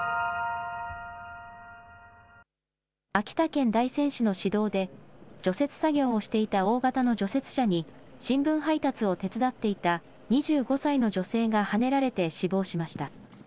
秋田県大仙市の市道で除雪作業をしていた大型の除雪車に新聞配達を手伝っていた２５歳の女性がはねられて死亡しました。